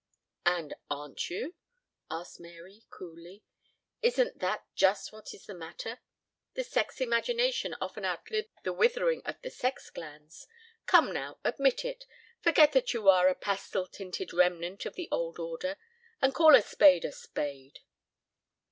"And aren't you?" asked Mary coolly. "Isn't that just what is the matter? The sex imagination often outlives the withering of the sex glands. Come now, admit it. Forget that you are a pastel tinted remnant of the old order and call a spade a spade."